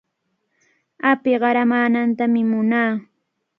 Api qaramaanantami munaa.